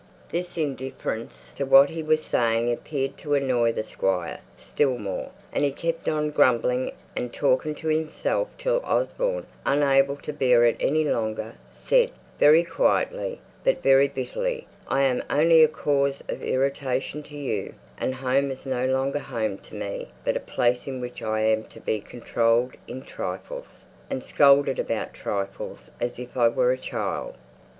This indifference to what he was saying appeared to annoy the Squire still more, and he kept on grumbling and talking to himself till Osborne, unable to bear it any longer, said, very quietly, but very bitterly "I am only a cause of irritation to you, and home is no longer home to me, but a place in which I am to be controlled in trifles, and scolded about trifles as if I were a child.